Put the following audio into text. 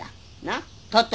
なっ。